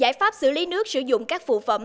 giải pháp xử lý nước sử dụng các phụ phẩm